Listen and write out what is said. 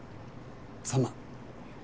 ３万。